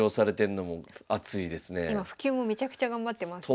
今普及もめちゃくちゃ頑張ってますよね。